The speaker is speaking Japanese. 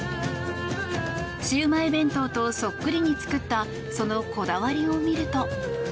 シウマイ弁当とそっくりに作ったそのこだわりを見ると。